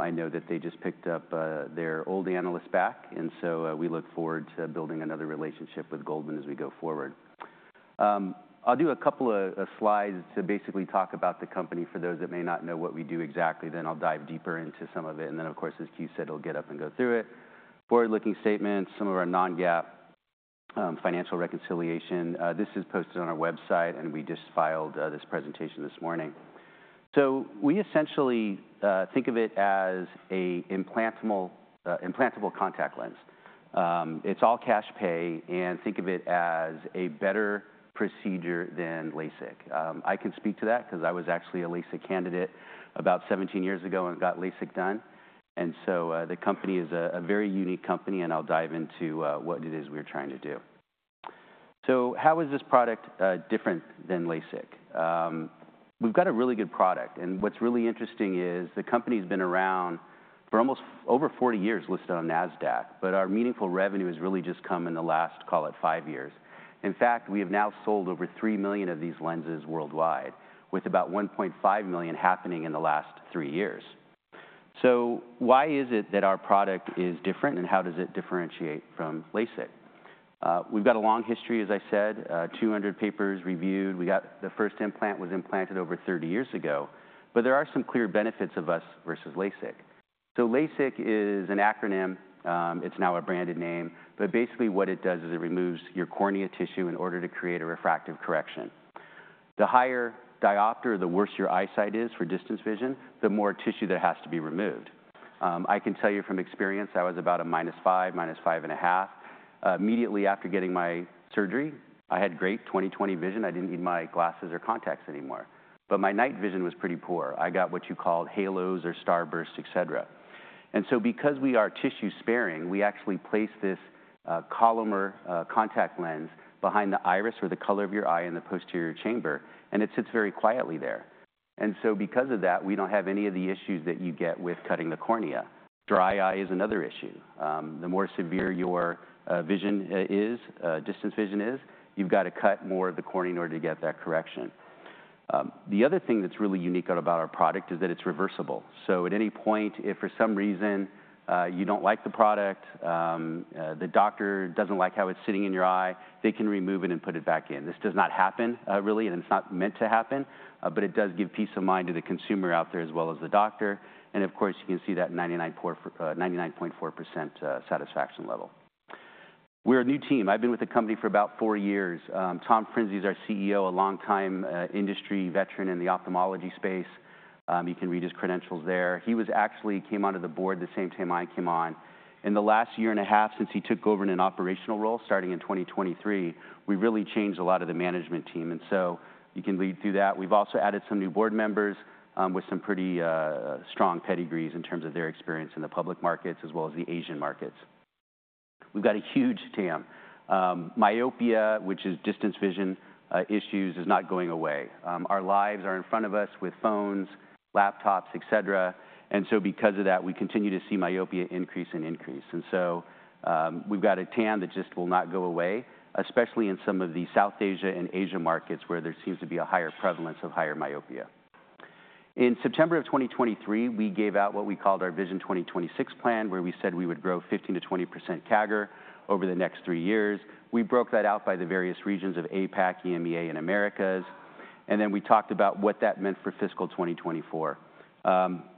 I know that they just picked up their old analysts back, and so we look forward to building another relationship with Goldman as we go forward. I'll do a couple of slides to basically talk about the company for those that may not know what we do exactly. Then I'll dive deeper into some of it, and then, of course, as Q said, we'll get up and go through it. Forward-looking statements, some of our non-GAAP financial reconciliation. This is posted on our website, and we just filed this presentation this morning. So we essentially think of it as an implantable contact lens. It's all cash pay, and think of it as a better procedure than LASIK. I can speak to that because I was actually a LASIK candidate about 17 years ago and got LASIK done. The company is a very unique company, and I'll dive into what it is we're trying to do. How is this product different than LASIK? We've got a really good product, and what's really interesting is the company has been around for almost over 40 years listed on NASDAQ, but our meaningful revenue has really just come in the last, call it, 5 years. In fact, we have now sold over 3 million of these lenses worldwide, with about 1.5 million happening in the last 3 years. Why is it that our product is different, and how does it differentiate from LASIK? We've got a long history, as I said, 200 papers reviewed. The first implant was implanted over 30 years ago, but there are some clear benefits of us versus LASIK. LASIK is an acronym. It's now a branded name, but basically what it does is it removes your cornea tissue in order to create a refractive correction. The higher diopter, the worse your eyesight is for distance vision, the more tissue that has to be removed. I can tell you from experience, I was about a -5, -5.5. Immediately after getting my surgery, I had great 20/20 vision. I didn't need my glasses or contacts anymore. But my night vision was pretty poor. I got what you call halos or starburst, et cetera. And so because we are tissue sparing, we actually place this Collamer contact lens behind the iris or the color of your eye in the posterior chamber, and it sits very quietly there. And so because of that, we don't have any of the issues that you get with cutting the cornea. Dry eye is another issue. The more severe your vision is, distance vision is, you've got to cut more of the cornea in order to get that correction. The other thing that's really unique about our product is that it's reversible. So at any point, if for some reason you don't like the product, the doctor doesn't like how it's sitting in your eye, they can remove it and put it back in. This does not happen, really, and it's not meant to happen, but it does give peace of mind to the consumer out there as well as the doctor. And of course, you can see that 99.4% satisfaction level. We're a new team. I've been with the company for about four years. Tom Frinzi is our CEO, a longtime industry veteran in the ophthalmology space. You can read his credentials there. He actually came onto the board the same time I came on. In the last year and a half since he took over in an operational role, starting in 2023, we really changed a lot of the management team, and so you can read through that. We've also added some new board members with some pretty strong pedigrees in terms of their experience in the public markets as well as the Asian markets. We've got a huge TAM. Myopia, which is distance vision issues, is not going away. Our lives are in front of us with phones, laptops, et cetera, and so because of that, we continue to see myopia increase and increase. And so we've got a TAM that just will not go away, especially in some of the South Asia and Asia markets where there seems to be a higher prevalence of higher myopia. In September of 2023, we gave out what we called our Vision 2026 plan, where we said we would grow 15%-20% CAGR over the next three years. We broke that out by the various regions of APAC, EMEA, and Americas, and then we talked about what that meant for fiscal 2024.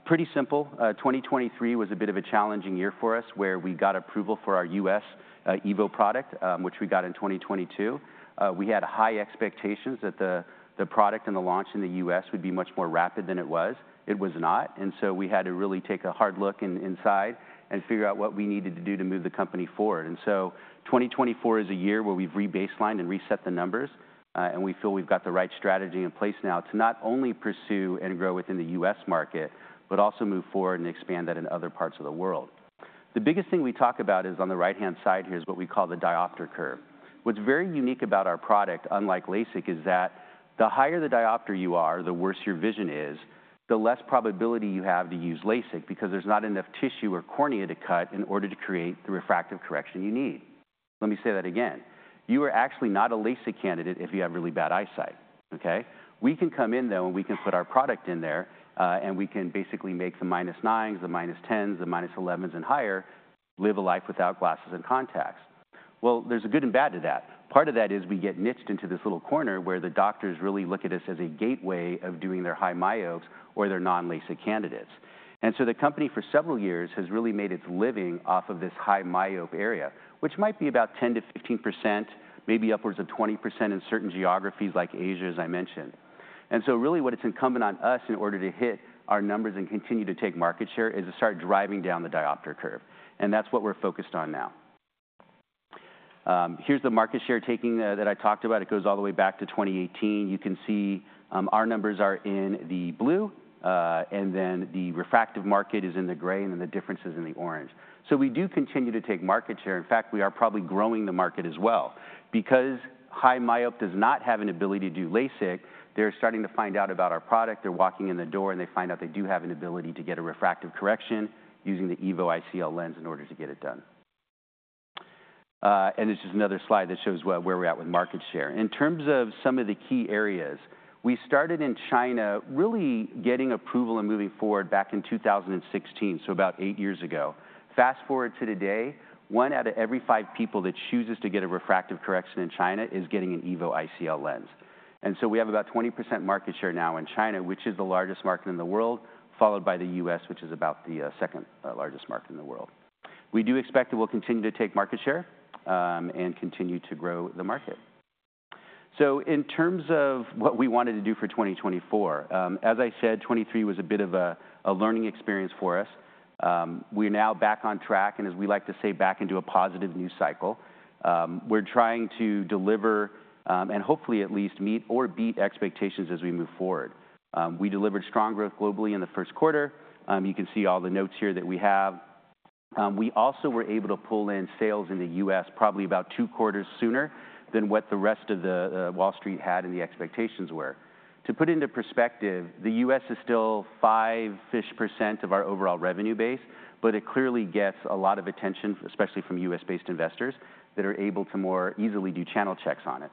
Pretty simple. 2023 was a bit of a challenging year for us where we got approval for our US EVO product, which we got in 2022. We had high expectations that the product and the launch in the US would be much more rapid than it was. It was not, and so we had to really take a hard look inside and figure out what we needed to do to move the company forward. And so 2024 is a year where we've rebaselined and reset the numbers, and we feel we've got the right strategy in place now to not only pursue and grow within the U.S. market, but also move forward and expand that in other parts of the world. The biggest thing we talk about, on the right-hand side here, is what we call the diopter curve. What's very unique about our product, unlike LASIK, is that the higher the diopter you are, the worse your vision is, the less probability you have to use LASIK because there's not enough tissue or cornea to cut in order to create the refractive correction you need. Let me say that again. You are actually not a LASIK candidate if you have really bad eyesight, okay? We can come in, though, and we can put our product in there, and we can basically make the minus 9s, the minus 10s, the minus 11s, and higher live a life without glasses and contacts. Well, there's a good and bad to that. Part of that is we get niched into this little corner where the doctors really look at us as a gateway of doing their high myopes or their non-LASIK candidates. And so the company for several years has really made its living off of this high myope area, which might be about 10%-15%, maybe upwards of 20% in certain geographies like Asia, as I mentioned. And so really what it's incumbent on us in order to hit our numbers and continue to take market share is to start driving down the diopter curve, and that's what we're focused on now. Here's the market share taking that I talked about. It goes all the way back to 2018. You can see our numbers are in the blue, and then the refractive market is in the gray, and then the difference is in the orange. So we do continue to take market share. In fact, we are probably growing the market as well. Because high myope does not have an ability to do LASIK, they're starting to find out about our product. They're walking in the door, and they find out they do have an ability to get a refractive correction using the EVO ICL lens in order to get it done. And this is another slide that shows where we're at with market share. In terms of some of the key areas, we started in China really getting approval and moving forward back in 2016, so about eight years ago. Fast forward to today, one out of every five people that chooses to get a refractive correction in China is getting an EVO ICL lens. And so we have about 20% market share now in China, which is the largest market in the world, followed by the U.S., which is about the second largest market in the world. We do expect that we'll continue to take market share and continue to grow the market. So in terms of what we wanted to do for 2024, as I said, 2023 was a bit of a learning experience for us. We're now back on track, and as we like to say, back into a positive new cycle. We're trying to deliver and hopefully at least meet or beat expectations as we move forward. We delivered strong growth globally in the first quarter. You can see all the notes here that we have. We also were able to pull in sales in the US probably about 2 quarters sooner than what the rest of Wall Street had and the expectations were. To put into perspective, the US is still 5%-ish of our overall revenue base, but it clearly gets a lot of attention, especially from US-based investors that are able to more easily do channel checks on it.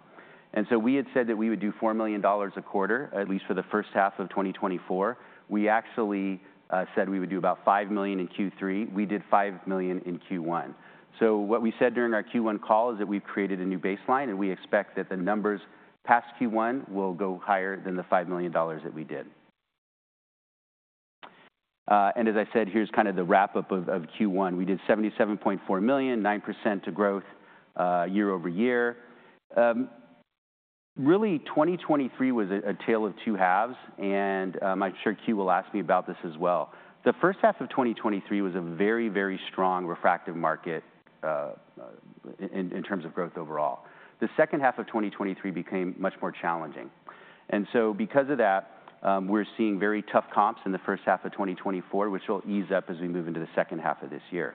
And so we had said that we would do $4 million a quarter, at least for the first half of 2024. We actually said we would do about $5 million in Q3. We did $5 million in Q1. So what we said during our Q1 call is that we've created a new baseline, and we expect that the numbers past Q1 will go higher than the $5 million that we did. And as I said, here's kind of the wrap-up of Q1. We did $77.4 million, 9% growth year-over-year. Really, 2023 was a tale of two halves, and I'm sure Q will ask me about this as well. The first half of 2023 was a very, very strong refractive market in terms of growth overall. The second half of 2023 became much more challenging. And so because of that, we're seeing very tough comps in the first half of 2024, which will ease up as we move into the second half of this year.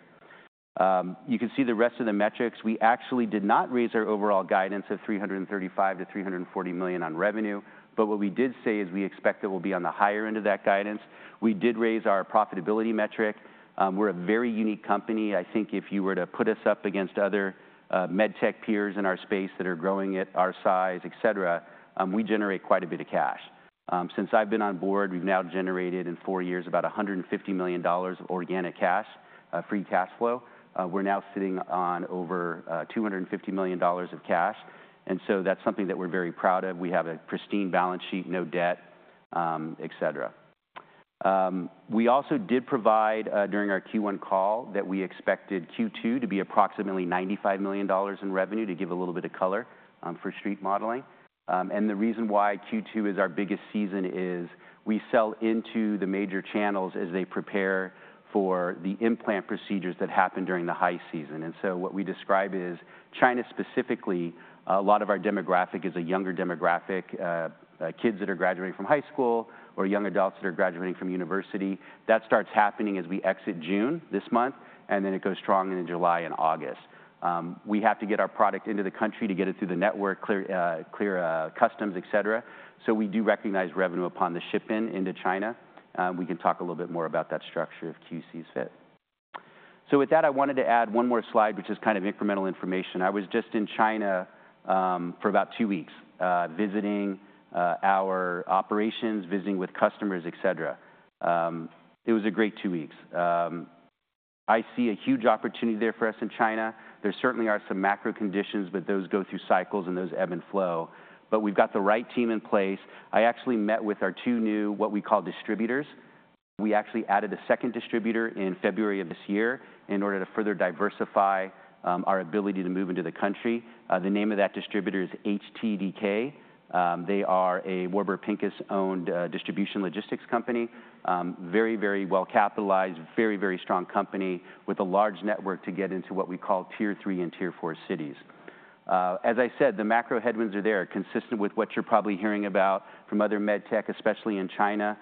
You can see the rest of the metrics. We actually did not raise our overall guidance of $335-$340 million on revenue, but what we did say is we expect that we'll be on the higher end of that guidance. We did raise our profitability metric. We're a very unique company. I think if you were to put us up against other med tech peers in our space that are growing at our size, et cetera, we generate quite a bit of cash. Since I've been on board, we've now generated in four years about $150 million of organic cash, free cash flow. We're now sitting on over $250 million of cash, and so that's something that we're very proud of. We have a pristine balance sheet, no debt, et cetera. We also did provide during our Q1 call that we expected Q2 to be approximately $95 million in revenue to give a little bit of color for street modeling. The reason why Q2 is our biggest season is we sell into the major channels as they prepare for the implant procedures that happen during the high season. What we describe is China specifically, a lot of our demographic is a younger demographic, kids that are graduating from high school or young adults that are graduating from university. That starts happening as we exit June this month, and then it goes strong into July and August. We have to get our product into the country to get it through the network, clear customs, et cetera. So we do recognize revenue upon the shipment into China. We can talk a little bit more about that structure if QCs fit. So with that, I wanted to add one more slide, which is kind of incremental information. I was just in China for about two weeks, visiting our operations, visiting with customers, et cetera. It was a great two weeks. I see a huge opportunity there for us in China. There certainly are some macro conditions, but those go through cycles and those ebb and flow. But we've got the right team in place. I actually met with our two new, what we call distributors. We actually added a second distributor in February of this year in order to further diversify our ability to move into the country. The name of that distributor is HTDK. They are a Warburg Pincus-owned distribution logistics company. Very, very well-capitalized, very, very strong company with a large network to get into what we call tier three and tier four cities. As I said, the macro headwinds are there, consistent with what you're probably hearing about from other med tech, especially in China.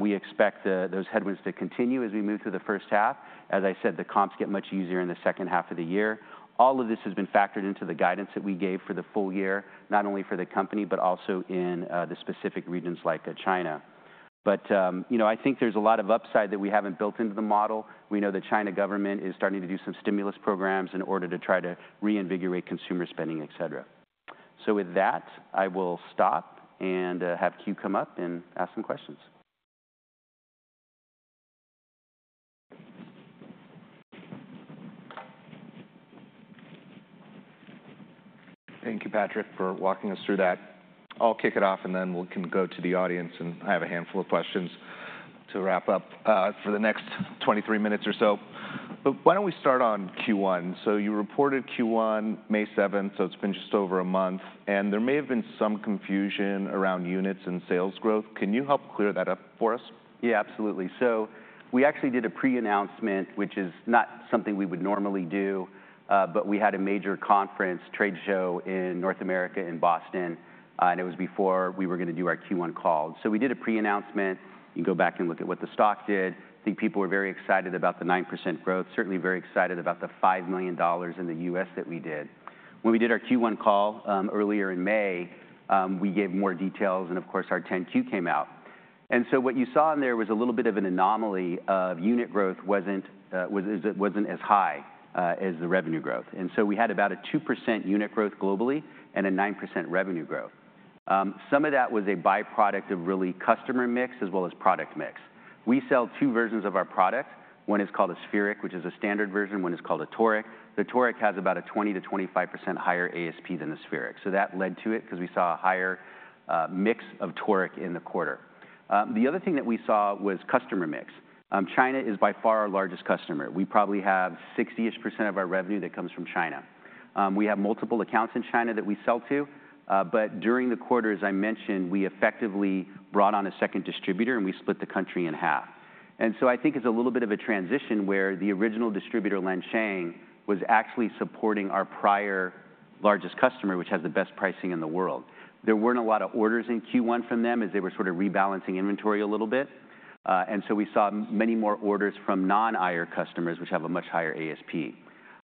We expect those headwinds to continue as we move through the first half. As I said, the comps get much easier in the second half of the year. All of this has been factored into the guidance that we gave for the full year, not only for the company, but also in the specific regions like China. But I think there's a lot of upside that we haven't built into the model. We know the Chinese government is starting to do some stimulus programs in order to try to reinvigorate consumer spending, et cetera. So with that, I will stop and have Q come up and ask some questions. Thank you, Patrick, for walking us through that. I'll kick it off, and then we can go to the audience and have a handful of questions to wrap up for the next 23 minutes or so. But why don't we start on Q1? So you reported Q1, May 7th, so it's been just over a month, and there may have been some confusion around units and sales growth. Can you help clear that up for us? Yeah, absolutely. So we actually did a pre-announcement, which is not something we would normally do, but we had a major conference trade show in North America in Boston, and it was before we were going to do our Q1 call. So we did a pre-announcement. You can go back and look at what the stock did. I think people were very excited about the 9% growth, certainly very excited about the $5 million in the US that we did. When we did our Q1 call earlier in May, we gave more details, and of course, our 10-Q came out. And so what you saw in there was a little bit of an anomaly of unit growth wasn't as high as the revenue growth. And so we had about a 2% unit growth globally and a 9% revenue growth. Some of that was a byproduct of really customer mix as well as product mix. We sell two versions of our product. One is called a Spheric, which is a standard version. One is called a Toric. The Toric has about a 20%-25% higher ASP than the Spheric. So that led to it because we saw a higher mix of Toric in the quarter. The other thing that we saw was customer mix. China is by far our largest customer. We probably have 60-ish% of our revenue that comes from China. We have multiple accounts in China that we sell to, but during the quarter, as I mentioned, we effectively brought on a second distributor and we split the country in half. And so I think it's a little bit of a transition where the original distributor, Lanshang, was actually supporting our prior largest customer, which has the best pricing in the world. There weren't a lot of orders in Q1 from them as they were sort of rebalancing inventory a little bit, and so we saw many more orders from non-Aeir customers, which have a much higher ASP.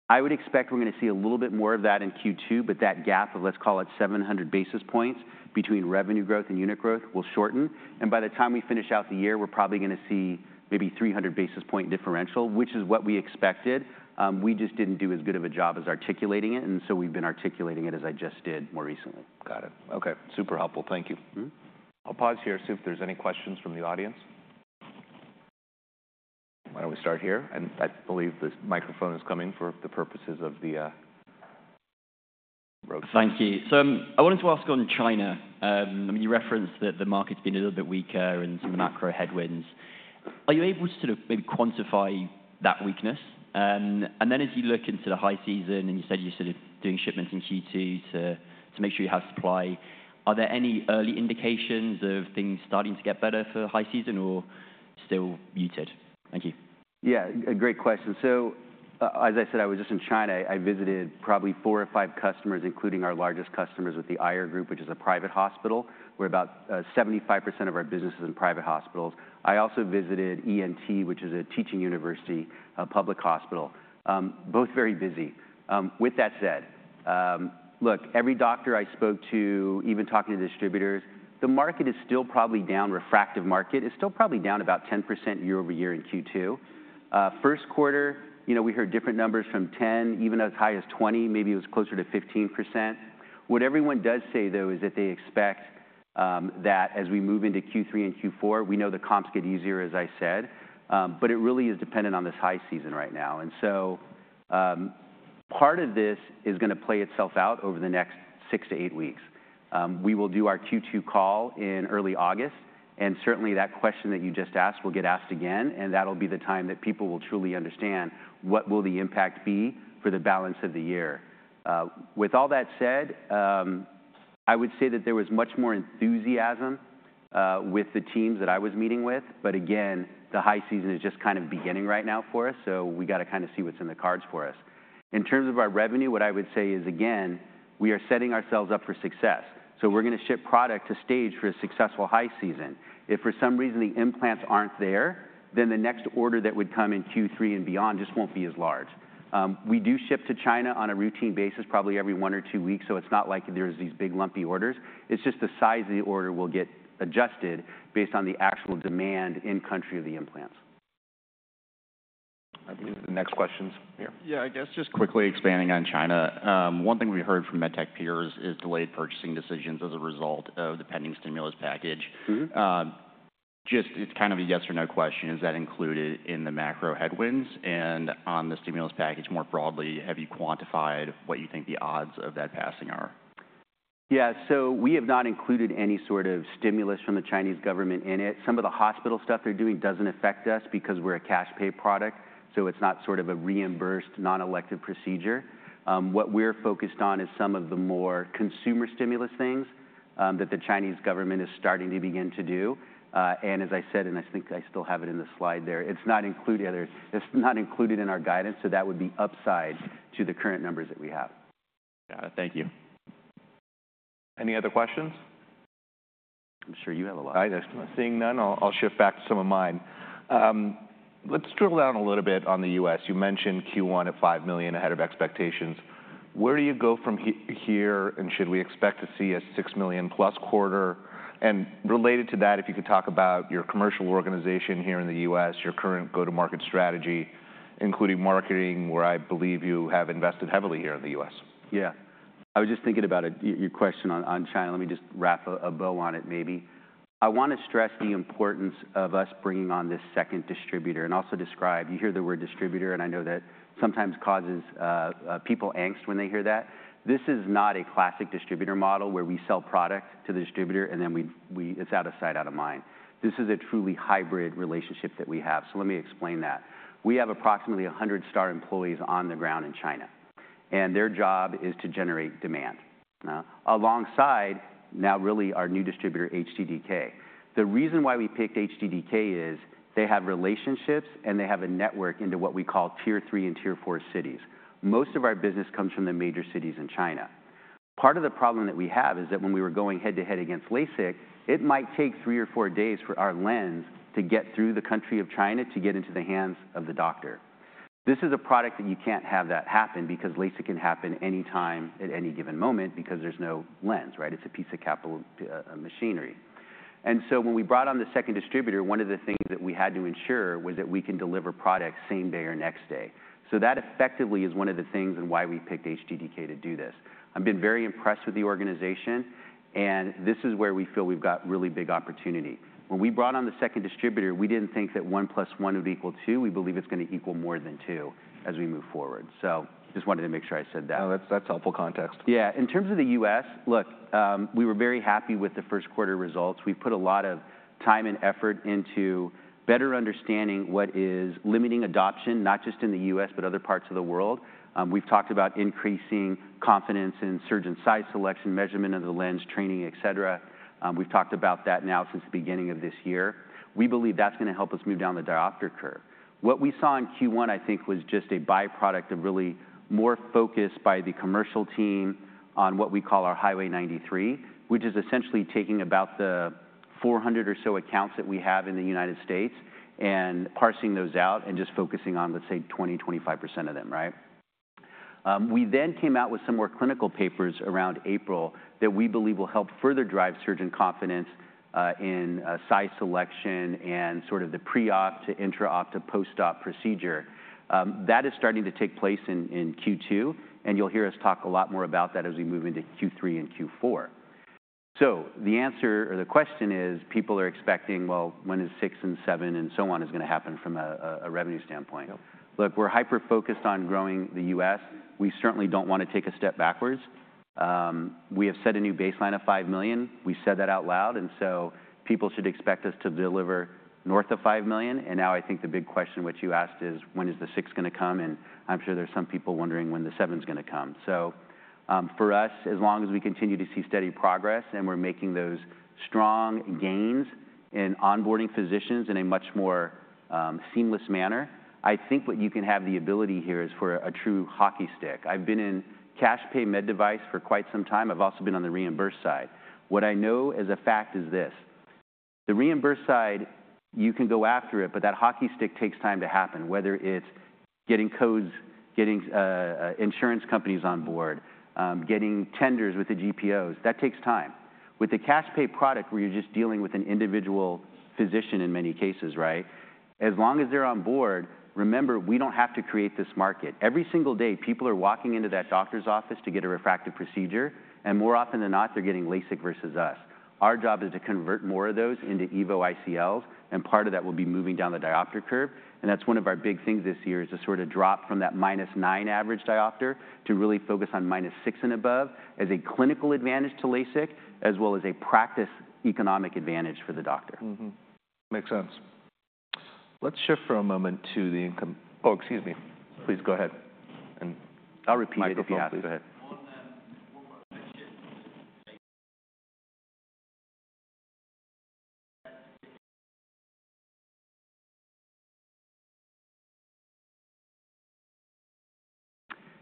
I would expect we're going to see a little bit more of that in Q2, but that gap of, let's call it, 700 basis points between revenue growth and unit growth will shorten. And by the time we finish out the year, we're probably going to see maybe 300 basis point differential, which is what we expected. We just didn't do as good of a job as articulating it, and so we've been articulating it, as I just did more recently. Got it. Okay. Super helpful. Thank you. I'll pause here and see if there's any questions from the audience. Why don't we start here? I believe the microphone is coming for the purposes of the road. Thank you. So I wanted to ask on China. I mean, you referenced that the market's been a little bit weaker and some macro headwinds. Are you able to sort of maybe quantify that weakness? And then as you look into the high season and you said you're sort of doing shipments in Q2 to make sure you have supply, are there any early indications of things starting to get better for high season or still muted? Thank you. Yeah, great question. So as I said, I was just in China. I visited probably 4 or 5 customers, including our largest customers with the Aeir Group, which is a private hospital. We're about 75% of our business is in private hospitals. I also visited ENT, which is a teaching university, a public hospital. Both very busy. With that said, look, every doctor I spoke to, even talking to distributors, the market is still probably down. Refractive market is still probably down about 10% year-over-year in Q2. First quarter, we heard different numbers from 10, even as high as 20. Maybe it was closer to 15%. What everyone does say, though, is that they expect that as we move into Q3 and Q4, we know the comps get easier, as I said, but it really is dependent on this high season right now. And so part of this is going to play itself out over the next 6-8 weeks. We will do our Q2 call in early August, and certainly that question that you just asked will get asked again, and that'll be the time that people will truly understand what will the impact be for the balance of the year. With all that said, I would say that there was much more enthusiasm with the teams that I was meeting with, but again, the high season is just kind of beginning right now for us, so we got to kind of see what's in the cards for us. In terms of our revenue, what I would say is, again, we are setting ourselves up for success. So we're going to ship product to stage for a successful high season. If for some reason the implants aren't there, then the next order that would come in Q3 and beyond just won't be as large. We do ship to China on a routine basis, probably every one or two weeks, so it's not like there's these big lumpy orders. It's just the size of the order will get adjusted based on the actual demand in country of the implants. I believe the next question's here. Yeah, I guess just quickly expanding on China. One thing we heard from med tech peers is delayed purchasing decisions as a result of the pending stimulus package. Just, it's kind of a yes or no question. Is that included in the macro headwinds? And on the stimulus package more broadly, have you quantified what you think the odds of that passing are? Yeah, so we have not included any sort of stimulus from the Chinese government in it. Some of the hospital stuff they're doing doesn't affect us because we're a cash-pay product, so it's not sort of a reimbursed non-elective procedure. What we're focused on is some of the more consumer stimulus things that the Chinese government is starting to begin to do. And as I said, and I think I still have it in the slide there, it's not included in our guidance, so that would be upside to the current numbers that we have. Got it. Thank you. Any other questions? I'm sure you have a lot. I'm seeing none. I'll shift back to some of mine. Let's drill down a little bit on the U.S. You mentioned Q1 at $5 million ahead of expectations. Where do you go from here, and should we expect to see a $6 million+ quarter? And related to that, if you could talk about your commercial organization here in the U.S., your current go-to-market strategy, including marketing, where I believe you have invested heavily here in the U.S. Yeah. I was just thinking about your question on China. Let me just wrap a bow on it maybe. I want to stress the importance of us bringing on this second distributor and also describe. You hear the word distributor, and I know that sometimes causes people angst when they hear that. This is not a classic distributor model where we sell product to the distributor and then it's out of sight, out of mind. This is a truly hybrid relationship that we have. So let me explain that. We have approximately 100 STAAR employees on the ground in China, and their job is to generate demand alongside now really our new distributor, HTDK. The reason why we picked HTDK is they have relationships and they have a network into what we call tier three and tier four cities. Most of our business comes from the major cities in China. Part of the problem that we have is that when we were going head-to-head against LASIK, it might take three or four days for our lens to get through the country of China to get into the hands of the doctor. This is a product that you can't have that happen because LASIK can happen anytime at any given moment because there's no lens, right? It's a piece of capital machinery. And so when we brought on the second distributor, one of the things that we had to ensure was that we can deliver product same day or next day. So that effectively is one of the things and why we picked HTDK to do this. I've been very impressed with the organization, and this is where we feel we've got really big opportunity. When we brought on the second distributor, we didn't think that 1 + 1 would equal 2. We believe it's going to equal more than 2 as we move forward. So just wanted to make sure I said that. No, that's helpful context. Yeah. In terms of the U.S., look, we were very happy with the first quarter results. We put a lot of time and effort into better understanding what is limiting adoption, not just in the U.S., but other parts of the world. We've talked about increasing confidence in surgeon size selection, measurement of the lens, training, et cetera. We've talked about that now since the beginning of this year. We believe that's going to help us move down the diopter curve. What we saw in Q1, I think, was just a byproduct of really more focus by the commercial team on what we call our Highway 93, which is essentially taking about the 400 or so accounts that we have in the United States and parsing those out and just focusing on, let's say, 20%-25% of them, right? We then came out with some more clinical papers around April that we believe will help further drive surgeon confidence in size selection and sort of the pre-op to intra-op to post-op procedure. That is starting to take place in Q2, and you'll hear us talk a lot more about that as we move into Q3 and Q4. So the answer or the question is people are expecting, well, when is 6 and 7 and so on is going to happen from a revenue standpoint. Look, we're hyper-focused on growing the US. We certainly don't want to take a step backwards. We have set a new baseline of $5 million. We said that out loud, and so people should expect us to deliver north of $5 million. And now I think the big question which you asked is when is the 6 going to come? I'm sure there's some people wondering when the seven's going to come. So for us, as long as we continue to see steady progress and we're making those strong gains in onboarding physicians in a much more seamless manner, I think what you can have the ability here is for a true hockey stick. I've been in cash-pay med device for quite some time. I've also been on the reimbursed side. What I know as a fact is this: the reimbursed side, you can go after it, but that hockey stick takes time to happen, whether it's getting codes, getting insurance companies on board, getting tenders with the GPOs. That takes time. With the cash-pay product, where you're just dealing with an individual physician in many cases, right? As long as they're on board, remember, we don't have to create this market. Every single day, people are walking into that doctor's office to get a refractive procedure, and more often than not, they're getting LASIK versus us. Our job is to convert more of those into EVO ICLs, and part of that will be moving down the diopter curve. And that's one of our big things this year is to sort of drop from that -9 average diopter to really focus on -6 and above as a clinical advantage to LASIK, as well as a practice economic advantage for the doctor. Makes sense. Let's shift for a moment to the income. Oh, excuse me. Please go ahead. And I'll repeat it. Microfilm, please. Go ahead.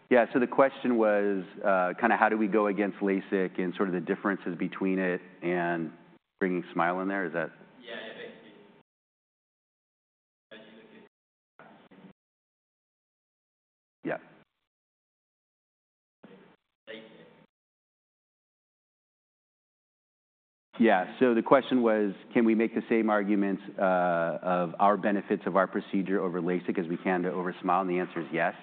Yeah, so the question was kind of how do we go against LASIK and sort of the differences between it and bringing SMILE in there? Is that? Yeah, yeah. Basically. Yeah. Yeah, so the question was, can we make the same arguments of our benefits of our procedure over LASIK as we can over SMILE? And the answer is yes.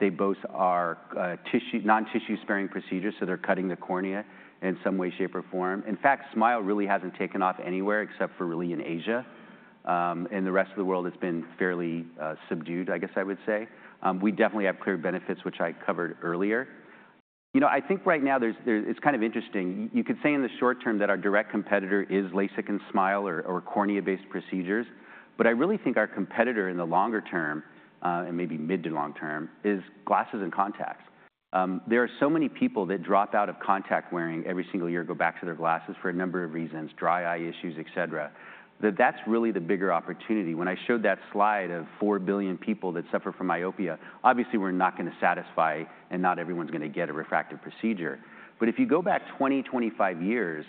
They both are non-tissue-sparing procedures, so they're cutting the cornea in some way, shape, or form. In fact, SMILE really hasn't taken off anywhere except for really in Asia, and the rest of the world has been fairly subdued, I guess I would say. We definitely have clear benefits, which I covered earlier. You know, I think right now it's kind of interesting. You could say in the short term that our direct competitor is LASIK and SMILE or cornea-based procedures, but I really think our competitor in the longer term and maybe mid to long term is glasses and contacts. There are so many people that drop out of contact wearing every single year and go back to their glasses for a number of reasons: dry eye issues, et cetera, that that's really the bigger opportunity. When I showed that slide of 4 billion people that suffer from myopia, obviously we're not going to satisfy and not everyone's going to get a refractive procedure. But if you go back 20, 25 years,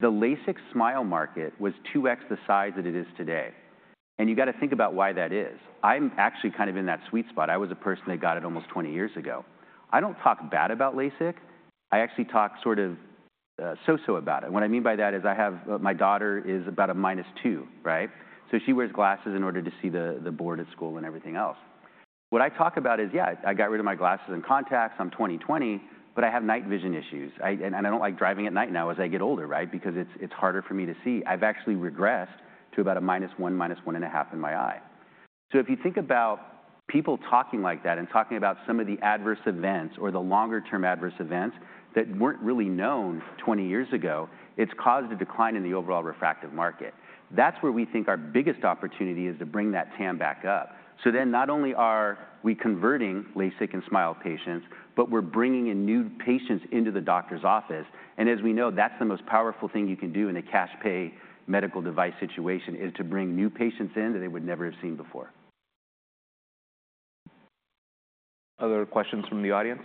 the LASIK-SMILE market was 2x the size that it is today. And you got to think about why that is. I'm actually kind of in that sweet spot. I was a person that got it almost 20 years ago. I don't talk bad about LASIK. I actually talk sort of so-so about it. What I mean by that is I have my daughter is about a -2, right? So she wears glasses in order to see the board at school and everything else. What I talk about is, yeah, I got rid of my glasses and contacts. I'm 20/20, but I have night vision issues. And I don't like driving at night now as I get older, right? Because it's harder for me to see. I've actually regressed to about a -1, -1.5 in my eye. So if you think about people talking like that and talking about some of the adverse events or the longer-term adverse events that weren't really known 20 years ago, it's caused a decline in the overall refractive market. That's where we think our biggest opportunity is to bring that TAM back up. So then not only are we converting LASIK and SMILE patients, but we're bringing in new patients into the doctor's office. As we know, that's the most powerful thing you can do in a cash-pay medical device situation is to bring new patients in that they would never have seen before. Other questions from the audience?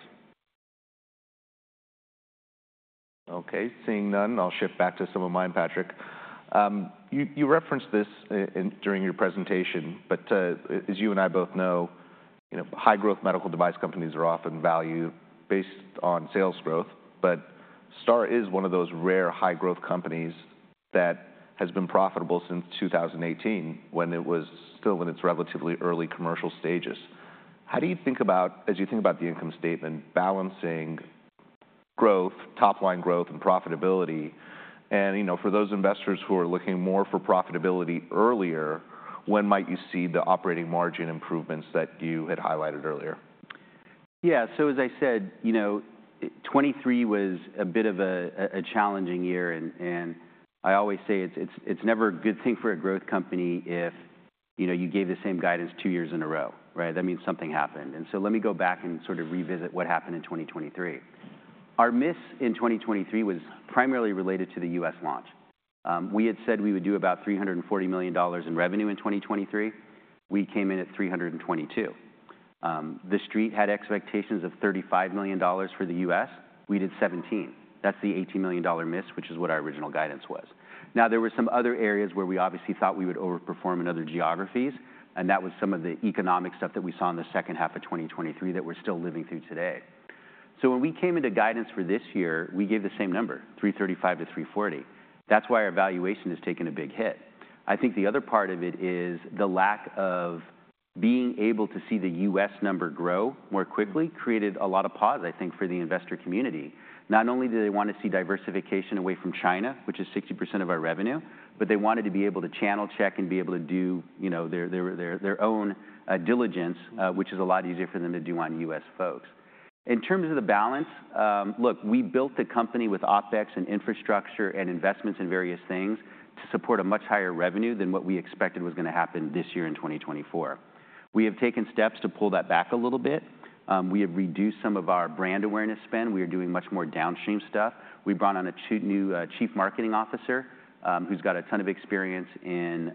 Okay, seeing none, I'll shift back to some of mine, Patrick. You referenced this during your presentation, but as you and I both know, high-growth medical device companies are often valued based on sales growth, but STAAR is one of those rare high-growth companies that has been profitable since 2018 when it was still in its relatively early commercial stages. How do you think about, as you think about the income statement, balancing growth, top-line growth, and profitability? For those investors who are looking more for profitability earlier, when might you see the operating margin improvements that you had highlighted earlier? Yeah, so as I said, you know, 2023 was a bit of a challenging year, and I always say it's never a good thing for a growth company if you gave the same guidance two years in a row, right? That means something happened. And so let me go back and sort of revisit what happened in 2023. Our miss in 2023 was primarily related to the US launch. We had said we would do about $340 million in revenue in 2023. We came in at $322 million. The street had expectations of $35 million for the US. We did $17 million. That's the $18 million miss, which is what our original guidance was. Now, there were some other areas where we obviously thought we would overperform in other geographies, and that was some of the economic stuff that we saw in the second half of 2023 that we're still living through today. So when we came into guidance for this year, we gave the same number, $335-$340. That's why our valuation has taken a big hit. I think the other part of it is the lack of being able to see the U.S. number grow more quickly created a lot of pause, I think, for the investor community. Not only did they want to see diversification away from China, which is 60% of our revenue, but they wanted to be able to channel check and be able to do their own diligence, which is a lot easier for them to do on U.S. folks. In terms of the balance, look, we built the company with OpEx and infrastructure and investments in various things to support a much higher revenue than what we expected was going to happen this year in 2024. We have taken steps to pull that back a little bit. We have reduced some of our brand awareness spend. We are doing much more downstream stuff. We brought on a new Chief Marketing Officer who's got a ton of experience in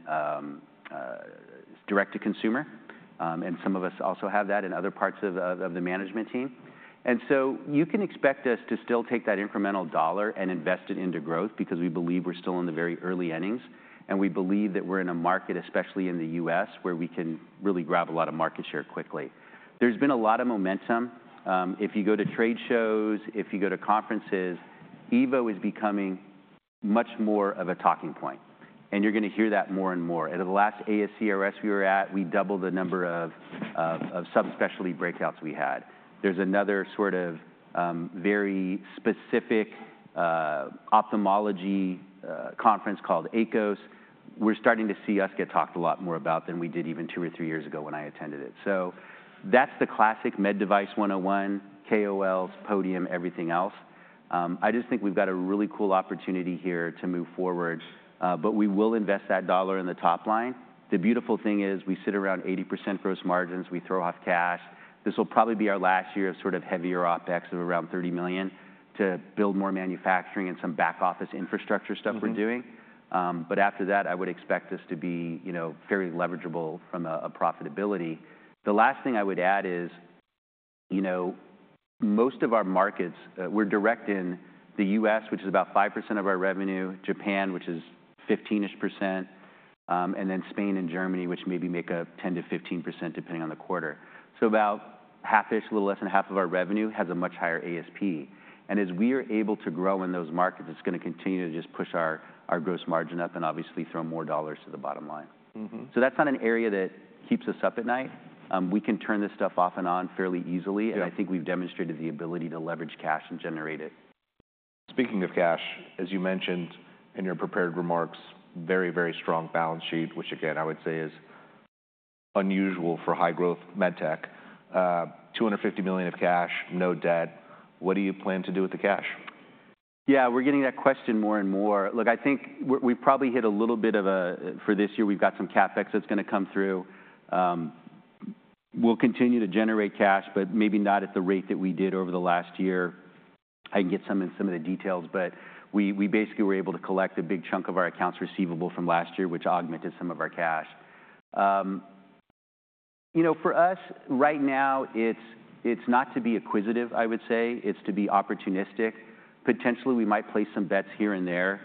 direct-to-consumer, and some of us also have that in other parts of the management team. So you can expect us to still take that incremental dollar and invest it into growth because we believe we're still in the very early innings, and we believe that we're in a market, especially in the U.S., where we can really grab a lot of market share quickly. There's been a lot of momentum. If you go to trade shows, if you go to conferences, Evo is becoming much more of a talking point, and you're going to hear that more and more. At the last ASCRS we were at, we doubled the number of subspecialty breakouts we had. There's another sort of very specific ophthalmology conference called ACOS. We're starting to see us get talked a lot more about than we did even two or three years ago when I attended it. So that's the classic med device 101, KOLs, podium, everything else. I just think we've got a really cool opportunity here to move forward, but we will invest that dollar in the top line. The beautiful thing is we sit around 80% gross margins. We throw off cash. This will probably be our last year of sort of heavier OpEx of around $30 million to build more manufacturing and some back-office infrastructure stuff we're doing. But after that, I would expect this to be fairly leverageable from a profitability. The last thing I would add is most of our markets, we're direct in the US, which is about 5% of our revenue, Japan, which is 15%-ish, and then Spain and Germany, which maybe make a 10%-15% depending on the quarter. So about half-ish, a little less than half of our revenue has a much higher ASP. And as we are able to grow in those markets, it's going to continue to just push our gross margin up and obviously throw more dollars to the bottom line. So that's not an area that keeps us up at night. We can turn this stuff off and on fairly easily, and I think we've demonstrated the ability to leverage cash and generate it. Speaking of cash, as you mentioned in your prepared remarks, very, very strong balance sheet, which again, I would say is unusual for high-growth med tech. $250 million of cash, no debt. What do you plan to do with the cash? Yeah, we're getting that question more and more. Look, I think we probably hit a little bit of a, for this year, we've got some CapEx that's going to come through. We'll continue to generate cash, but maybe not at the rate that we did over the last year. I can get some of the details, but we basically were able to collect a big chunk of our accounts receivable from last year, which augmented some of our cash. You know, for us right now, it's not to be acquisitive, I would say. It's to be opportunistic. Potentially, we might place some bets here and there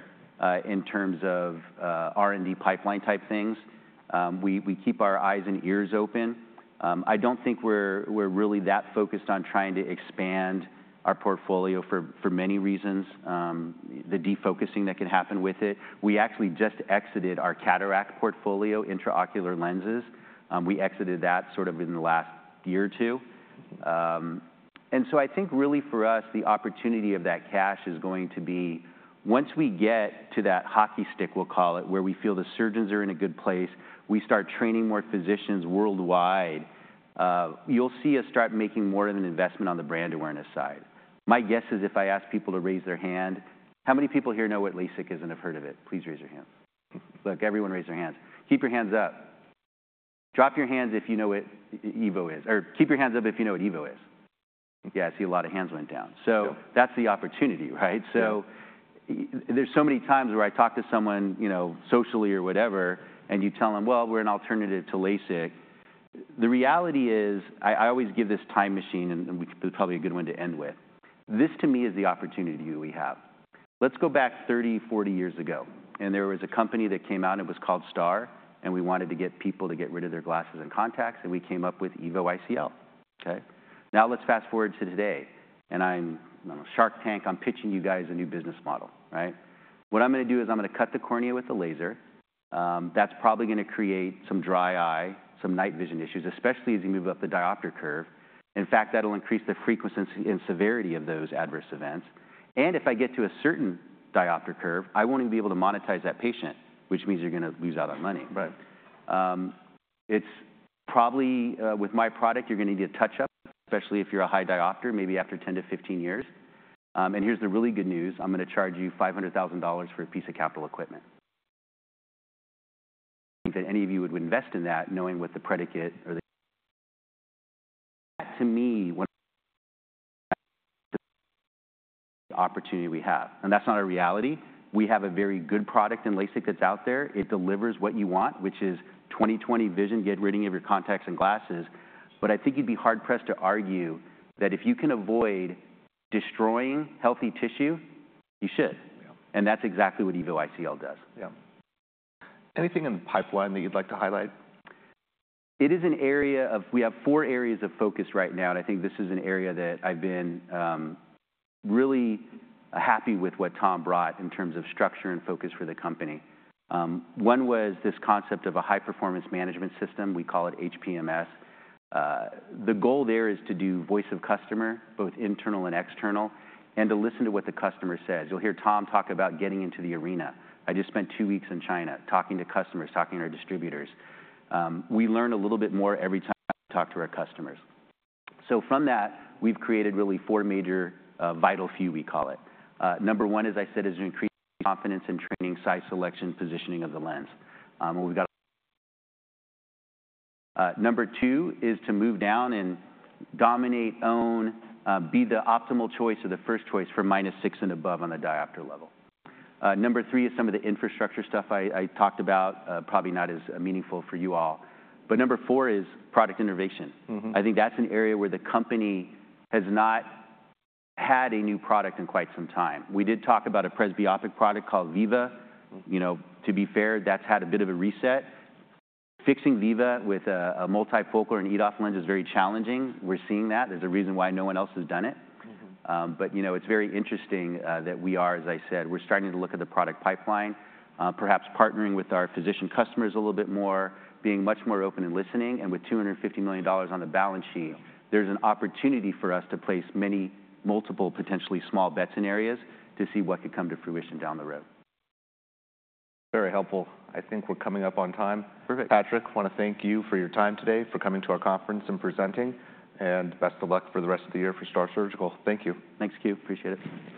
in terms of R&D pipeline type things. We keep our eyes and ears open. I don't think we're really that focused on trying to expand our portfolio for many reasons, the defocusing that can happen with it. We actually just exited our cataract portfolio, intraocular lenses. We exited that sort of in the last year or two. And so I think really for us, the opportunity of that cash is going to be, once we get to that hockey stick, we'll call it, where we feel the surgeons are in a good place, we start training more physicians worldwide, you'll see us start making more of an investment on the brand awareness side. My guess is if I ask people to raise their hand, how many people here know what LASIK is and have heard of it? Please raise your hand. Look, everyone raise their hands. Keep your hands up. Drop your hands if you know what EVO is, or keep your hands up if you know what EVO is. Yeah, I see a lot of hands went down. So that's the opportunity, right? So there's so many times where I talk to someone socially or whatever, and you tell them, well, we're an alternative to LASIK. The reality is, I always give this time machine, and it's probably a good one to end with. This to me is the opportunity that we have. Let's go back 30, 40 years ago, and there was a company that came out, and it was called STAAR, and we wanted to get people to get rid of their glasses and contacts, and we came up with EVO ICL. Okay? Now let's fast forward to today, and I'm a Shark Tank. I'm pitching you guys a new business model, right? What I'm going to do is I'm going to cut the cornea with the laser. That's probably going to create some dry eye, some night vision issues, especially as you move up the diopter curve. In fact, that'll increase the frequency and severity of those adverse events. And if I get to a certain diopter curve, I won't even be able to monetize that patient, which means you're going to lose out on money. But it's probably with my product, you're going to need a touch-up, especially if you're a high diopter, maybe after 10-15 years. And here's the really good news. I'm going to charge you $500,000 for a piece of capital equipment. I think that any of you would invest in that knowing what the predicate or the opportunity we have. And that's not a reality. We have a very good product in LASIK that's out there. It delivers what you want, which is 20/20 vision, get rid of your contacts and glasses. But I think you'd be hard-pressed to argue that if you can avoid destroying healthy tissue, you should. That's exactly what EVO ICL does. Yeah. Anything in the pipeline that you'd like to highlight? It is an area of. We have four areas of focus right now, and I think this is an area that I've been really happy with what Tom brought in terms of structure and focus for the company. One was this concept of a high-performance management system. We call it HPMS. The goal there is to do voice of customer, both internal and external, and to listen to what the customer says. You'll hear Tom talk about getting into the arena. I just spent two weeks in China talking to customers, talking to our distributors. We learn a little bit more every time we talk to our customers. So from that, we've created really four major vital few, we call it. Number one, as I said, is to increase confidence in training, size selection, positioning of the lens. Number 2 is to move down and dominate, own, be the optimal choice or the first choice for -6 and above on the diopter level. Number 3 is some of the infrastructure stuff I talked about, probably not as meaningful for you all. But number 4 is product innovation. I think that's an area where the company has not had a new product in quite some time. We did talk about a presbyopic product called Viva. To be fair, that's had a bit of a reset. Fixing Viva with a multifocal and EDOF lens is very challenging. We're seeing that. There's a reason why no one else has done it. But it's very interesting that we are, as I said, we're starting to look at the product pipeline, perhaps partnering with our physician customers a little bit more, being much more open and listening. With $250 million on the balance sheet, there's an opportunity for us to place many multiple potentially small bets in areas to see what could come to fruition down the road. Very helpful. I think we're coming up on time. Perfect. Patrick, I want to thank you for your time today, for coming to our conference and presenting, and best of luck for the rest of the year for STAAR Surgical. Thank you. Thanks, Q. Appreciate it.